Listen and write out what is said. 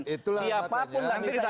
siapapun tidak bisa independen